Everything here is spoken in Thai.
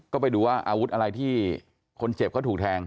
ก็ไปดูว่าอาวุธอะไรที่คนเจ็บเขาถูกแทง